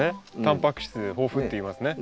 たんぱく質豊富っていいますね。